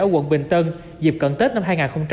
ở quận bình tân dịp cận tết năm hai nghìn một mươi chín